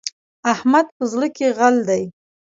احمد په زړه کې غل دی.